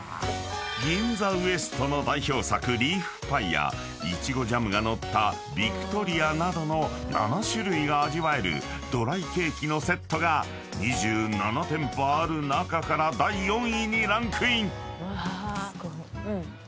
［銀座ウエストの代表作リーフパイやいちごジャムが載ったヴィクトリアなどの７種類が味わえるドライケーキのセットが２７店舗ある中から第４位にランクイン］